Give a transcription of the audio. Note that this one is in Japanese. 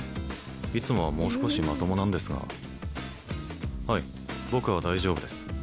いつもはもう少しまともなんですがはい僕は大丈夫です